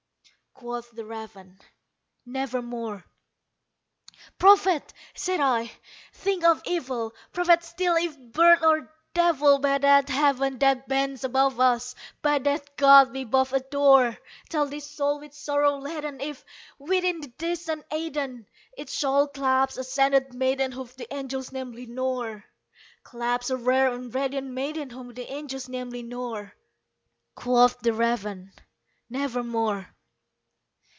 Quoth the raven, "Nevermore." "Prophet!' said I, "thing of evil! prophet still, if bird or devil! By that Heaven that bends above us by that God we both adore Tell this soul with sorrow laden if, within the distant Aidenn, It shall clasp a sainted maiden whom the angels named Lenore Clasp a rare and radiant maiden, whom the angels named Lenore?" Quoth the raven, "Nevermore."